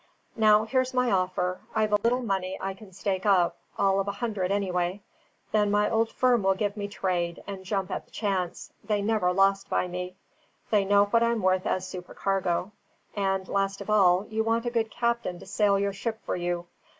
Now, here's my offer. I've a little money I can stake up, all of a hundred anyway. Then my old firm will give me trade, and jump at the chance; they never lost by me; they know what I'm worth as supercargo. And, last of all, you want a good captain to sail your ship for you.